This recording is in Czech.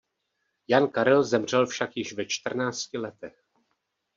Jan Karel zemřel však již ve čtrnácti letech.